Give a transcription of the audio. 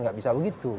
tidak bisa begitu